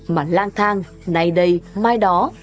mà lang thang nay đây mai đó